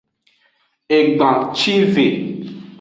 Egbancive.